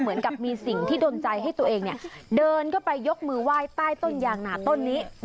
เหมือนกับมีสิ่งที่ดนใจให้ตัวเองเนี่ยเดินเข้าไปยกมือไหว้ใต้ต้นยางนาต้นนี้